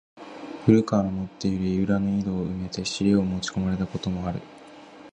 古川の持つて居る田圃の井戸を埋めて尻を持ち込まれた事もある。